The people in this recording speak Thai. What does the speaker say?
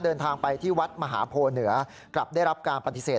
เดินทางไปที่วัดมหาโพเหนือกลับได้รับการปฏิเสธ